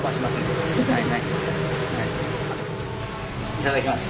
いただきます。